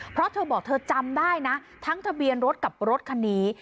เพราะเธอบอกเธอจำได้นะทั้งทะเบียนรถกับรถคันนี้